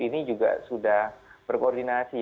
ini juga sudah berkoordinasi